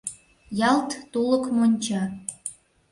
Ялт тулык монча.